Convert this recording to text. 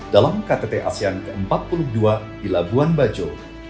dalam ktt asean ke empat puluh dua di labuan bajo